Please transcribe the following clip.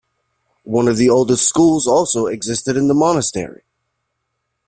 One of the oldest schools also existed in the monastery.